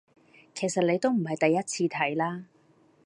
其實你都唔係第一次睇啦